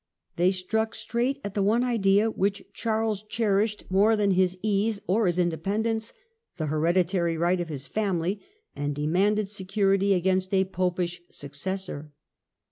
They struck straight at the one idea which Charles cherished more than his ease or his independence — ^the hereditary right of his family; and demanded security against a Popish successor.